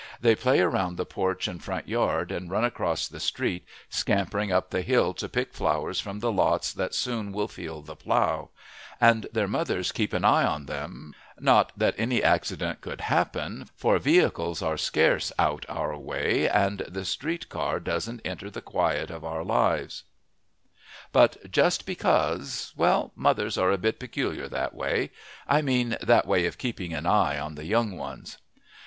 They play around the porch and front yard, and run across the street, scampering up the hill to pick flowers from the lots that soon will feel the plow; and their mothers keep an eye on them not that any accident could happen, for vehicles are scarce out our way and the street car doesn't enter the quiet of our lives; but just because well, mothers are a bit peculiar that way I mean that way of keeping an eye on the young ones.